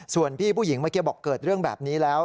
ส่วนพี่ผู้หญิงเมื่อกี้บอกเกิดเรื่องแบบนี้แล้ว